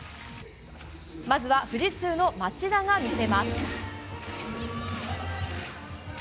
まずは富士通の町田が見せます。